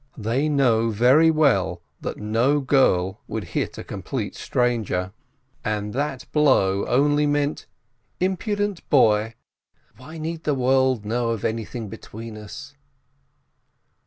They know very well that no girl would hit a complete AT THE MATZES 263 stranger, and that the blow only meant, "Impudent boy, why need the world know of anything between us